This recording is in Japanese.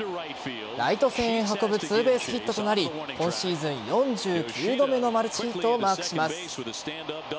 ライト線へ運ぶツーベースヒットとなり今シーズン４９度目のマルチヒットをマークします。